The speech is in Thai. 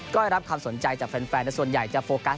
ก็ได้รับความสนใจจากแฟนส่วนใหญ่จะโฟกัส